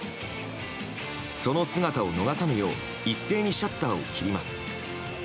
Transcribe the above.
その姿を逃さぬよう一斉にシャッターを切ります。